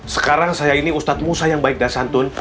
sekarang saya ini ustadz musa yang baik dan santun